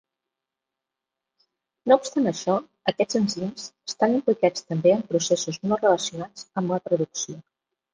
No obstant això, aquests enzims estan implicats també en processos no relacionats amb la traducció.